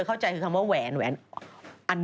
เอาไปก็เป็นปลายน้อย